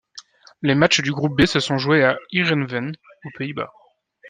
Les matchs du groupe B se sont joués à Heerenveen aux Pays-Bas.